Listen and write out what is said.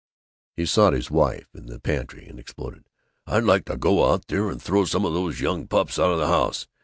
He sought his wife, in the pantry, and exploded, "I'd like to go in there and throw some of those young pups out of the house!